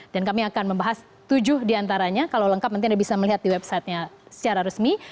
dan kami akan membahas tujuh di antaranya kalau lengkap nanti anda bisa melihat di website nya secara resmi